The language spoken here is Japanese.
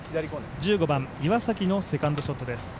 １５番、岩崎のセカンドショットです。